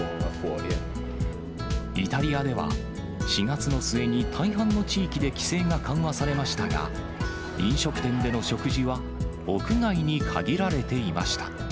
イタリアでは、４月の末に大半の地域で規制が緩和されましたが、飲食店での食事は、屋外に限られていました。